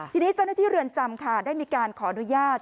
ทีนี้เจ้าหน้าที่เรือนจำค่ะได้มีการขออนุญาต